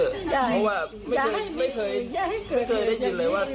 ไม่ได้อย่าให้เกิดเรื่องอย่างนี้ไม่เคยได้ยินเลยว่า